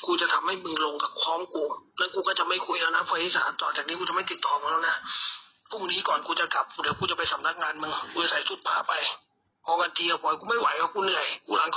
กลับไปก็ไม่มีมึงกลับไปด้วย